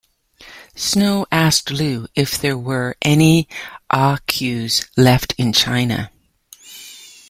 Snow asked Lu if there were any Ah Q's left in China.